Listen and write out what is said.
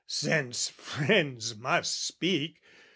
since friends must speak...